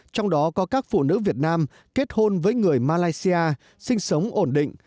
trong đó có các phụ nữ việt nam kết hôn với người malaysia sinh sống ổn định